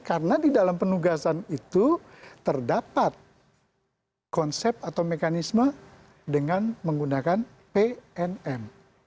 karena di dalam penugasan itu terdapat konsep atau mekanisme dengan menggunakan pnm